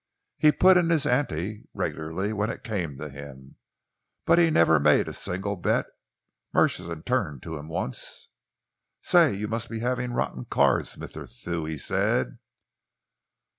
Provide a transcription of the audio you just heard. He put in his ante regularly when it came to him, but he never made a single bet. Murchison turned to him once. "'Say, you must be having rotten cards, Mr. Thew,' he said.